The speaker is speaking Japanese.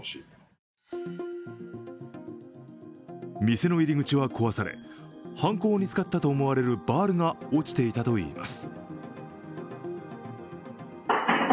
店の入り口は壊され犯行に使ったと思われるバールが落ちていたといいます。